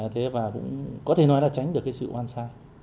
thế và cũng có thể nói là tránh được cái sự oan sai